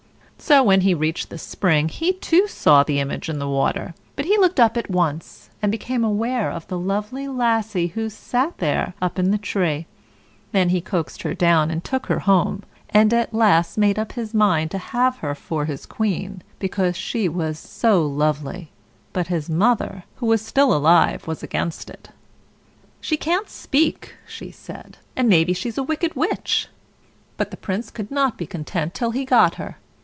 So, when he reached the spring, he too saw the image in the water; but he looked up at once, and became aware of the lovely Lassie who sate there up in the tree. Then he coaxed her down and took her home; and at last made up his mind to have her for his queen, because she was so lovely; but his mother, who was still alive, was against it. [Illustration: Then he coaxed her down and took her home.] "She can't speak," she said, "and maybe she's a wicked witch." But the Prince could not be content till he got her.